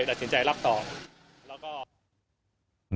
ที่ไหนใครจะได้รับต่อมันก็เลยดัดสินใจรับต่อ